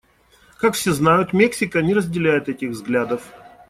Как все знают, Мексика не разделяет этих взглядов.